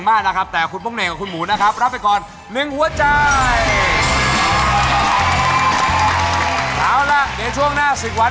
ถ้ารถหลับอยู่จะไปยังไง